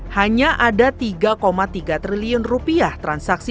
hanya ada tiga tiga triliun rupiah transaksi